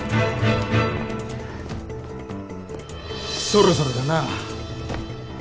そろそろだな。